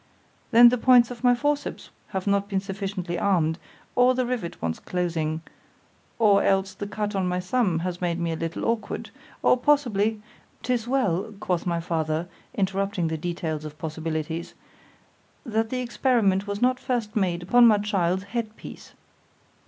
——Then the points of my forceps have not been sufficiently arm'd, or the rivet wants closing—or else the cut on my thumb has made me a little aukward—or possibly—'Tis well, quoth my father, interrupting the detail of possibilities—that the experiment was not first made upon my child's head piece.